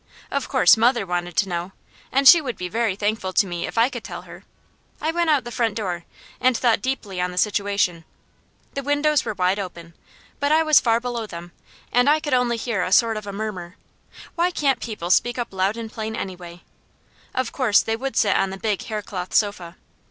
Of course mother wanted to know; and she would be very thankful to me if I could tell her. I went out the front door, and thought deeply on the situation. The windows were wide open, but I was far below them and I could only hear a sort of murmur. Why can't people speak up loud and plain, anyway? Of course they would sit on the big haircloth sofa.